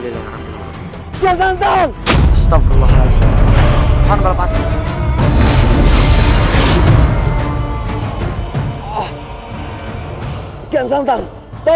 baiklah kalau itu keinginanmu